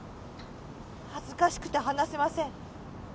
恥ずかしくて話せません。